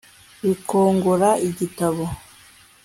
bikongora igitambo